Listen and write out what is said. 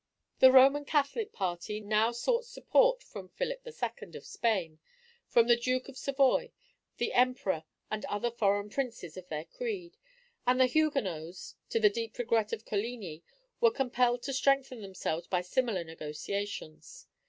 The Roman Catholic party now sought support from Philip II. of Spain, from the Duke of Savoy, the emperor and other foreign princes of their creed, and the Huguenots, to the deep regret of Coligni, were compelled to strengthen themselves by similar negotiations.